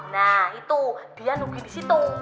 nah itu dia nungguin disitu